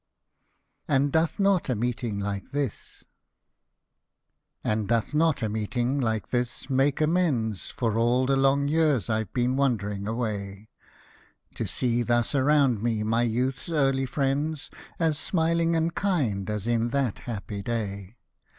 AND DOTH NOT A MEETING LIKE THIS And doth not a meeting like this make amends, For all the long years I've been wandering away — To see thus around me my youth's early friends, As smiling and kind as in that happy day